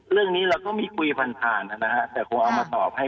เรื่องนี้เราก็มีคุยผ่านผ่านนะฮะแต่คงเอามาตอบให้